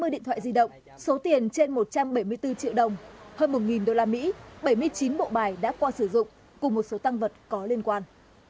điện thoại di động số tiền trên một trăm bảy mươi bốn triệu đồng hơn một đô la mỹ bảy mươi chín bộ bài đã qua sử dụng cùng một số tăng vật có liên quan